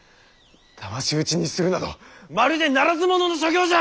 だまし討ちにするなどまるでならず者の所業じゃ！